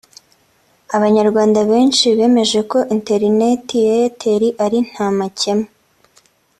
abanyarwanda benshi bemeje ko interineti ya Airtel ari nta makemwa